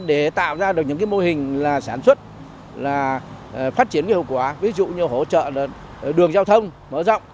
để tạo ra được những mô hình là sản xuất là phát triển cái hậu quả ví dụ như hỗ trợ đường giao thông mở rộng